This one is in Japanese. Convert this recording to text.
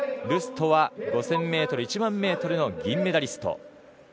ルストは、５０００ｍ１００００ｍの銀メダリスト。